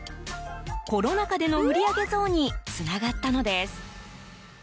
コロナ禍での売り上げ増につながったのです。